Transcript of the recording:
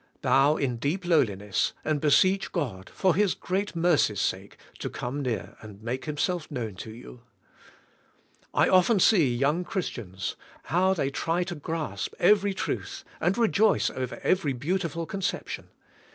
Bow in deep lowliness, and beseech God, for His great mercy's sake, to come near and make Himself known to you. I often see young Christians, how they try to grasp every truth and rejoice over every beautiful conception.